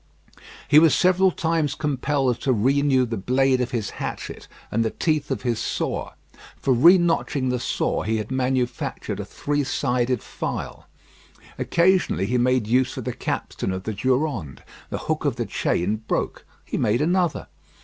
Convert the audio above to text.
He was several times compelled to renew the blade of his hatchet and the teeth of his saw. For renotching the saw he had manufactured a three sided file. Occasionally he made use of the capstan of the Durande. The hook of the chain broke: he made another.